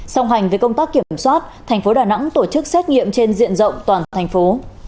song hành với công tác kiểm soát thành phố đà nẵng tổ chức xét nghiệm trên diện rộng toàn thành phố